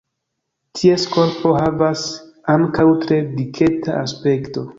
Ties korpo havas ankaŭ tre diketa aspekto.